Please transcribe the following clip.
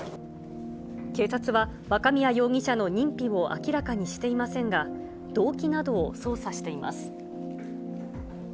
警察は若宮容疑者の認否を明らかにしていませんが、動機などを捜査しています。